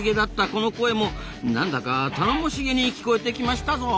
この声もなんだか頼もしげに聞こえてきましたぞ。